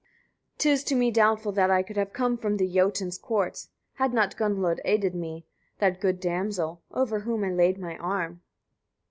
109. 'Tis to me doubtful that I could have come from the Jotun's courts, had not Gunnlod aided me, that good damsel, over whom I laid my arm.